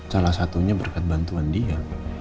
salah satunya berkat bantuan dia